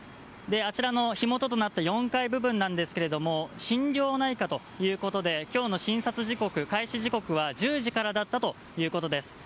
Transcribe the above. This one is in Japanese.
火元となった４階部分ですが心療内科ということで今日の診察の開始時刻は１０時からだったということです。